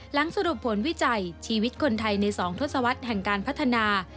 สรุปผลวิจัยชีวิตคนไทยใน๒ทศวรรษแห่งการพัฒนา